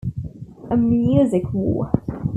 A Music War.